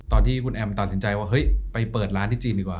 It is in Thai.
ตอนที่คุณแอมตัดสินใจว่าเฮ้ยไปเปิดร้านที่จีนดีกว่า